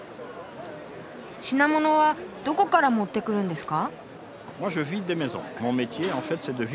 品物はどこから持ってくるんですか？